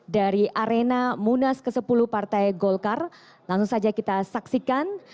dari arena munas ke sepuluh partai golkar langsung saja kita saksikan